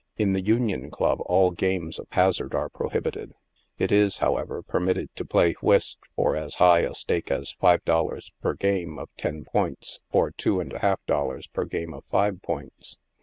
In the Union Club all games of hazard are prohibited. It is, however, permitted to play whist for as high a stake as five dollars per game of ten points, or two and a half dollars per game of five points.